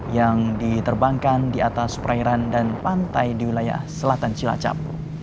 yang diterbangkan di atas perairan dan pantai di wilayah selatan cilacap